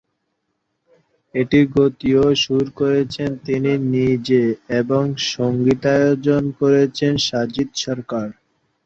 এটির গীত ও সুর করেছেন তিনি নিজে এবং সংগীতায়োজন করেছেন সাজিদ সরকার।